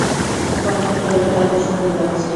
বন্ধ কর তাকে সুন্দর লাগছে।